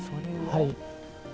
はい。